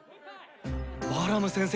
バラム先生